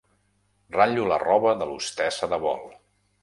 Ratllo la roba de l'hostessa de vol.